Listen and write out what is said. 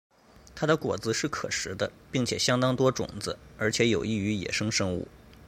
它的果实是可食的并且相当多种子而且有益于野生生物。